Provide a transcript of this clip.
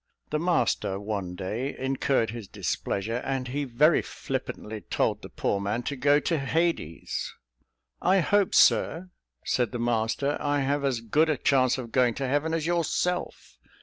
The master, one day, incurred his displeasure, and he very flippantly told the poor man to go to h . "I hope, Sir," said the master, "I have as good a chance of going to Heaven as yourself."